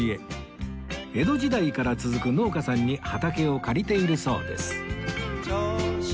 江戸時代から続く農家さんに畑を借りているそうです